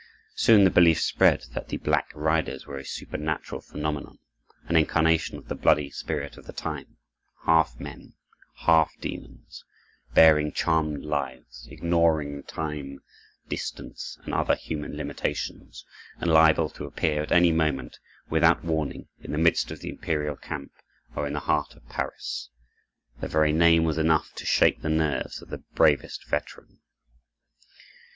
Soon the belief spread that the "Black Riders" were a supernatural phenomenon, an incarnation of the bloody spirit of the time, half men, half demons, bearing charmed lives, ignoring time, distance, and other human limitations, and liable to appear at any moment, without warning, in the midst of the imperial camp, or in the heart of Paris. Their very name was enough to shake the nerves of the bravest veteran.